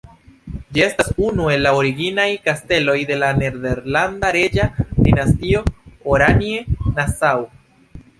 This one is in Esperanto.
Ĝi estas unu el la originaj kasteloj de la nederlanda reĝa dinastio Oranje-Nassau.